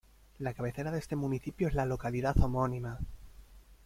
La cabecera de este municipio es la localidad homónima.